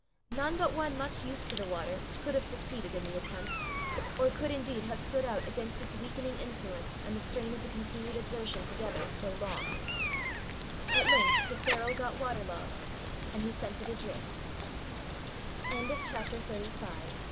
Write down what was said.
None but one much used to the water could have succeeded in the attempt, or could indeed have stood out against its weakening influence and the strain of the continued exertion together so long. At length his barrel got water logged, and he sent it adrift. CHAPTER XXXVI. THE BRANDER.